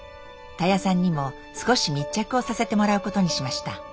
たやさんにも少し密着をさせてもらうことにしました。